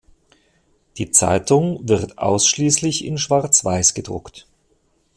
Die Zeitung wird ausschließlich in Schwarzweiß gedruckt.